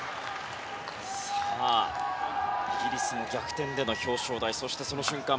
さあ、イギリスの逆転での表彰台そして、その瞬間